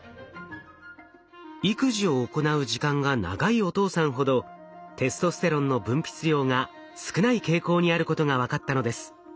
育児を行う時間が長いお父さんほどテストステロンの分泌量が少ない傾向にあることが分かったのです。